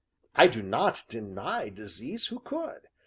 I do not deny disease who could?